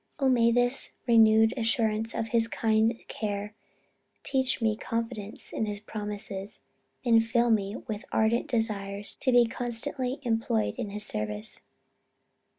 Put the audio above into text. Oh may this renewed assurance of his kind care, teach me confidence in his promises, and fill me with ardent desires to be constantly employed in his service.